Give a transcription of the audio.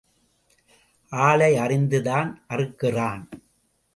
ஆளை அறிந்துதான் அறுக்கிறான்.